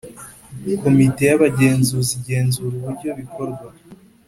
Komite y’Abagenzuzi igenzura uburyo bikorwa